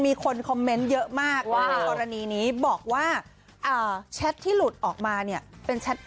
หลังจากแชทนี้นี้ออกไปแปปนึงเจ๊